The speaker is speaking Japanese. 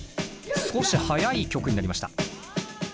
少し速い曲になりました。